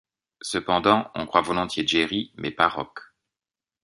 Cependant, on croit volontiers Gerry, mais pas Roch.